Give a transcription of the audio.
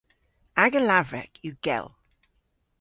Aga lavrek yw gell.